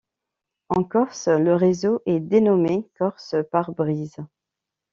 En Corse, le réseau est dénommé Corse-Pare-brise.